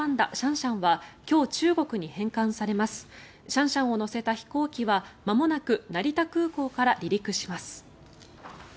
シャンシャンを乗せた飛行機はまもなく成田空港から離陸します。